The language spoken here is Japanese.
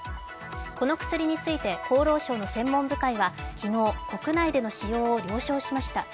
この薬について厚労省の専門部会は昨日、国内での使用を了承しました。